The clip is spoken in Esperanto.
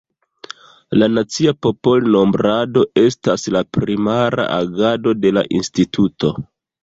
La nacia popolnombrado estas la primara agado de la instituto.